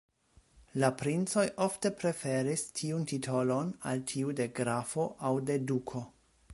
La princoj ofte preferis tiun titolon al tiu de grafo aŭ de duko.